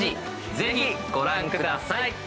ぜひ、ご覧ください！